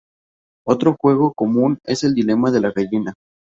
Otro juego común es el dilema de la gallina.